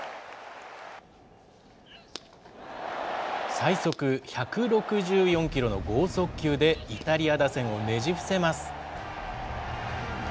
最速１６４キロの剛速球でイタリア打線をねじ伏せます。